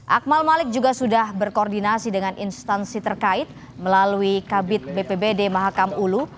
akmal malik juga sudah berkoordinasi dengan instansi terkait melalui kabit bpbd mahakam ulu